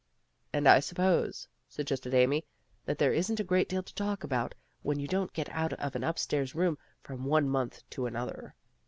"And I suppose," suggested Amy, "that there isn't a great deal to talk about, when you don't get out of an upstairs room from one month to another."